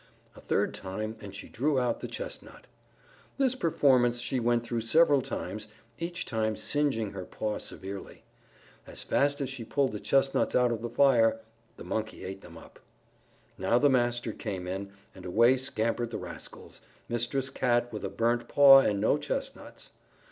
A third time and she drew out the chestnut. This performance she went through several times, each time singeing her paw severely. As fast as she pulled the chestnuts out of the fire, the Monkey ate them up. Now the master came in, and away scampered the rascals, Mistress Cat with a burnt paw and no chestnuts.